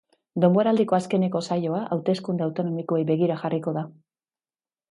Denboraldiko azkeneko saioa hauteskunde autonomikoei begira jarriko da.